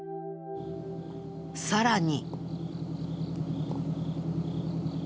さらに。